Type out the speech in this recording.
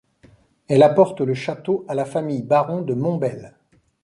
Elle apporte le château à la famille Baron de Montbel.